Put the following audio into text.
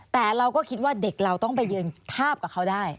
แต่เราก็คิดว่าเด็กเราต้องไปยืนทาบกับเขาได้